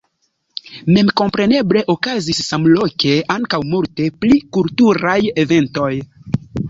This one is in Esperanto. Memkompreneble okazis samloke ankaŭ multe pli kulturaj eventoj.